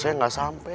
maksudnya gak sampe